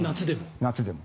夏でも。